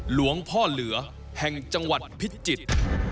หลวงพ่อเหลือแห่งจังหวัดพิจิตร